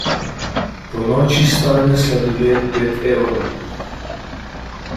Ponoči stane sladoled pet evrov.